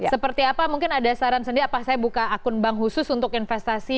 seperti apa mungkin ada saran sendiri apa saya buka akun bank khusus untuk investasi